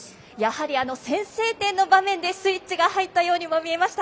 やはり先制点の場面でスイッチが入ったように見えました。